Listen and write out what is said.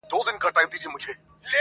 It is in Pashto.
د چا د ويښ زړگي ميسج ننوت.